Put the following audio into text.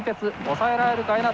抑えられるか江夏。